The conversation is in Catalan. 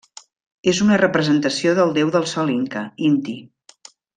És una representació del déu del sol Inca, Inti.